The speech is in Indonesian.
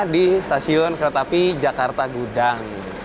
di stasiun kereta api jakarta gudang